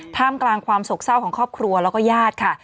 ท่ามกลางความโศกเศร้าของครอบครัวแล้วก็ญาติค่ะ